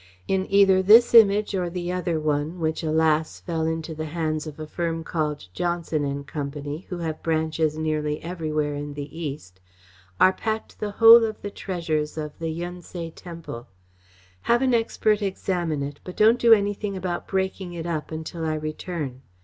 In either this Image or the other one, which, alas, fell into the hands of a firm called Johnson and Company who have branches nearly everywhere in the East, are packed the whole of the treasures of the Yun Tse Temple. Have an expert examine it, but don't do anything about breaking it up until I return.